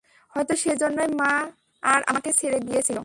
হয়ত সেজন্যই মা আর আমাকে ছেড়ে গিয়েছিলে।